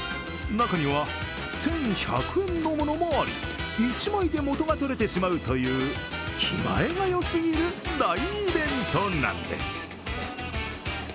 中には１１００円のものもあり、１枚でも元が取れてしまうという気前がよすぎる大イベントなんです。